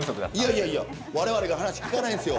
いやいや我々が話聞かないんですよ。